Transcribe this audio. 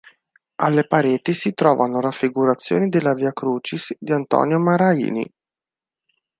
Alle pareti si trovano raffigurazioni della Via Crucis di Antonio Maraini.